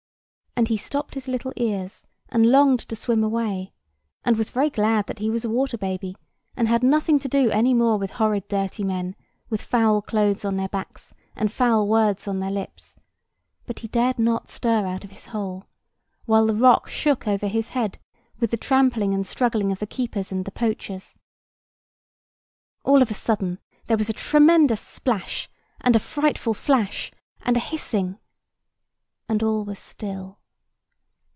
And he stopped his little ears, and longed to swim away; and was very glad that he was a water baby, and had nothing to do any more with horrid dirty men, with foul clothes on their backs, and foul words on their lips; but he dared not stir out of his hole: while the rock shook over his head with the trampling and struggling of the keepers and the poachers. All of a sudden there was a tremendous splash, and a frightful flash, and a hissing, and all was still.